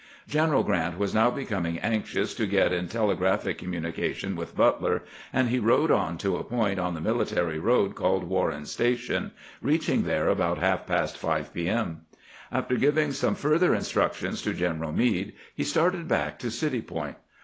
General Grrant was now becoming anxious to get in telegraphic communication with Butler, and he rode on to a point on the military railroad called Warren Station, reaching there about half past five p. m. After giving some further instructions to Greneral Meade, he started back to City Point.